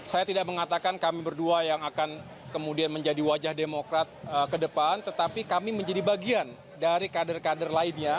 saya tidak mengatakan kami berdua yang akan kemudian menjadi wajah demokrat ke depan tetapi kami menjadi bagian dari kader kader lainnya